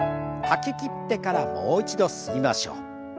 吐ききってからもう一度吸いましょう。